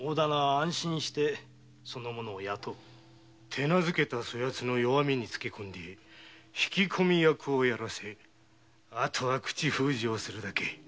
手なずけたそやつの弱みにつけこんで引き込み役をやらせあとは口封じをするだけ。